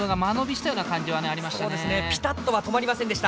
そうですねピタッとは止まりませんでした。